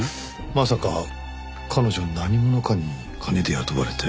まさか彼女何者かに金で雇われて？